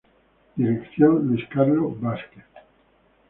Dirección: Luis Carlos Vásquez.